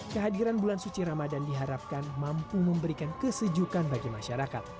kehadiran bulan suci ramadan diharapkan mampu memberikan kesejukan bagi masyarakat